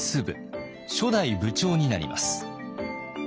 初代部長になります。